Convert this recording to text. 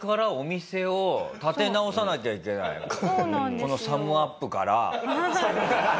このサムズアップから。